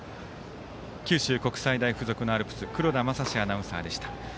九州国際大付属のアルプス黒田賢アナウンサーでした。